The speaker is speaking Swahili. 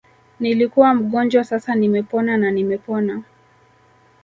Nilikuwa mgonjwa sasa nimepona na nimepona